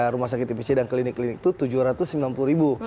rumah sakit tbc dan klinik klinik itu tujuh ratus sembilan puluh ribu